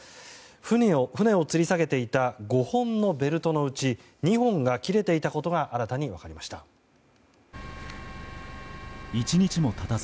船をつり下げていた５本のベルトのうち２本が切れていたことが新たに分かりました。